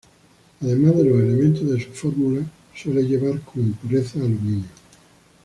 Además de los elementos de su fórmula, suele llevar como impurezas aluminio.